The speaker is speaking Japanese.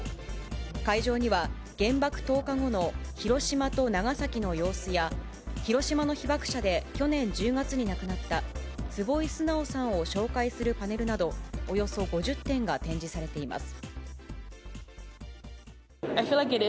会場には、原爆投下後の広島と長崎の様子や、広島の被爆者で去年１０月に亡くなった、坪井直さんを紹介するパネルなど、およそ５０点が展示されています。